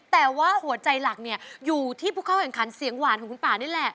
แต่ว่าหัวใจหลักเนี่ยอยู่ที่ผู้เข้าแข่งขันเสียงหวานของคุณป่านี่แหละ